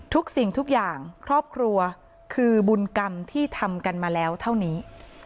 สิ่งทุกอย่างครอบครัวคือบุญกรรมที่ทำกันมาแล้วเท่านี้